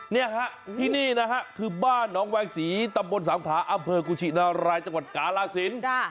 นี่ฮะที่นี่นะฮะคือบ้านน้องแวงศรีตำบลสามขาอำเภอกุชินารายจังหวัดกาลาศิลป์